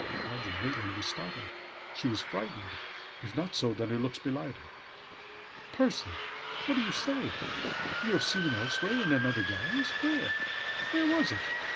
Margery Maitland was startled she was frightened. If not so, then her looks belied her. "Percy! What do you say? You have seen him elsewhere in another guise? Where? Where was it?"